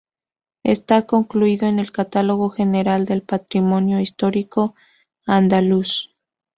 Está incluido en el Catálogo General del Patrimonio Histórico Andaluz.